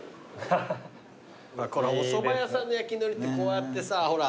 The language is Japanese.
このおそば屋さんの焼き海苔ってこうやってさほら。